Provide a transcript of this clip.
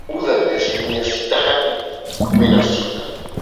Wabuddha ni asilimia sita hadi kumina sita